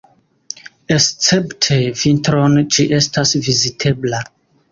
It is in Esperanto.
Escepte vintron ĝi estas vizitebla.